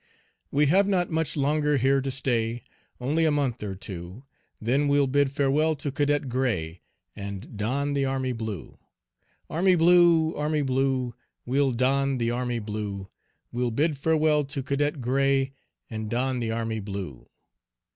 We have not much longer here to stay, Only a month or two, Then we'll bid farewell to cadet gray, And don the army blue. Army blue, army blue, we'll don the army blue, We'll bid farewell to cadet gray and don the army blue.